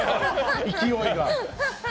勢いが。